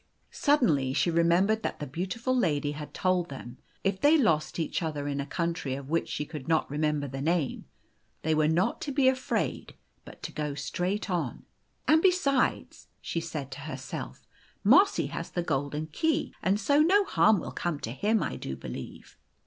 Suddenly she remembered that the beautiful lady had told them, if they lost each other in a country of which she could not remember the name, they were not to be afraid, but to go straight on. " And besides," she said to herself, " Mossy has the golden key, and so no harm will come to him, I do believe."